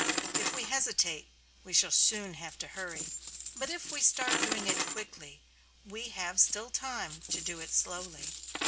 If we hesitate, we shall soon have to hurry. But if we start doing it quickly we have still time to do it slowly.